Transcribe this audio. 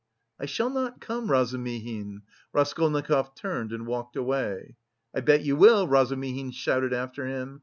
"I shall not come, Razumihin." Raskolnikov turned and walked away. "I bet you will," Razumihin shouted after him.